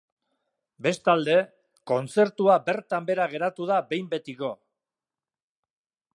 Bestalde, kontzertua bertan behera geratu da behin betiko.